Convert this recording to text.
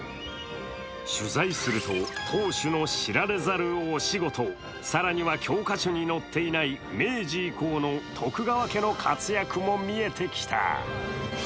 取材すると、当主の知られざるお仕事、更には教科書に載っていない明治以降の徳川家の活躍も見えてきた。